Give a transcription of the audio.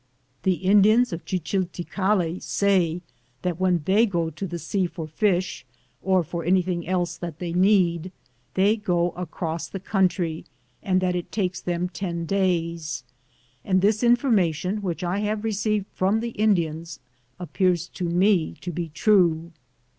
The Indians of Chichilticale say that when they go to the sea for fish, or for anything else that they need, they go across the country, and that it takes them ten days ; and this information which I have received from the Indians appears to me to be true.